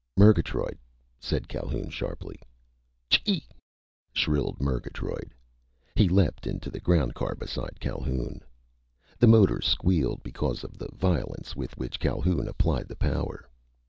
"Murgatroyd!" said Calhoun sharply. "Chee!" shrilled Murgatroyd. He leaped into the ground car beside Calhoun. The motor squealed because of the violence with which Calhoun applied the power.